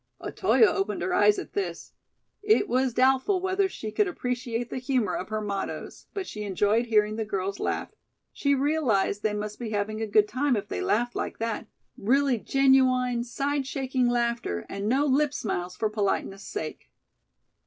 Otoyo opened her eyes at this. It was doubtful whether she could appreciate the humor of her mottoes, but she enjoyed hearing the girls laugh; she realized they must be having a good time if they laughed like that really genuine, side shaking laughter and no lip smiles for politeness' sake.